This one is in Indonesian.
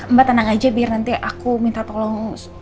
mbak tenang aja biar nanti aku minta tolong